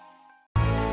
tunggu dulu pak